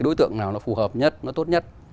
đối tượng nào nó phù hợp nhất nó tốt nhất